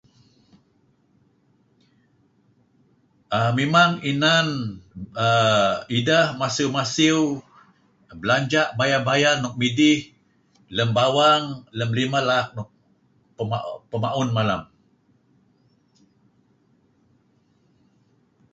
um memang inan[um]idah masiew masiew belanjah bayar bayar nuk midih lam bawang lam limah laak nuk [unintelligible] pam'aun malam.